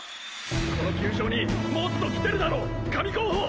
この球場にもっと来てるだろ神候補！